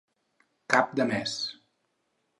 Cap de mes.